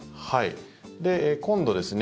今度ですね